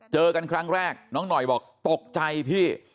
เจอกันครั้งแรกน้องหน่อยบอกตกใจพี่